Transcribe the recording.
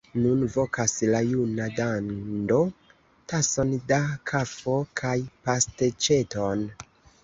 Nun vokas la juna dando: tason da kafo kaj pasteĉeton!